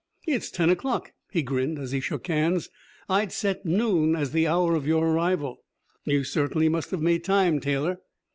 "It's ten o'clock," he grinned as he shook hands. "I'd set noon as the hour of your arrival. You certainly must have made time, Taylor!"